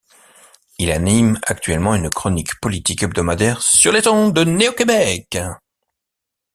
Il anime actuellement une chronique politique hebdomadaire sur les ondes de NéoQuébec.